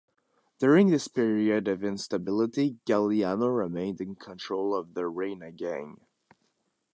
During this period of instability, Gagliano remained in control of the Reina gang.